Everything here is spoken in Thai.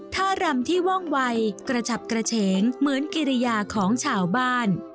ท่ารำที่ว่องวัยกระฉับกระเฉงเหมือนกิริยาของชาวบ้าน